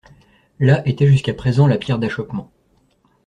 Là était jusqu'à présent la pierre d'achoppement.